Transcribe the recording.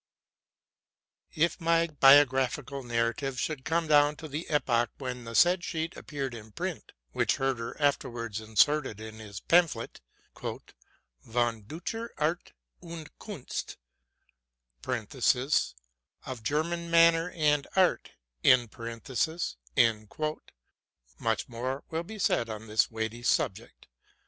If my biographical narrative should come down to the epoch when the said sheet appeared in print, which Herder afterwards inserted in his pamphlet, '' Von Deutscher Art und Kunst'' ('* Of German Manner and Art''), much more will be said on this weighty subject.